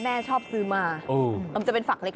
แม่ชอบซื้อมามันจะเป็นฝักเล็ก